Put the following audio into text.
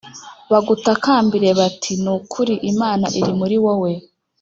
bagutakambire bati Ni ukuri Imana iri muri wowe